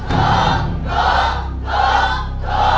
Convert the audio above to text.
ถูก